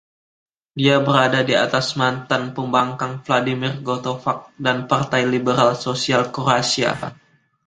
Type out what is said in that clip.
Dia berada di atas mantan pembangkang Vladimir Gotovac dan Partai Liberal Sosial Kroasia.